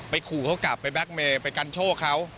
ขู่เขากลับไปแล็กเมย์ไปกันโชคเขา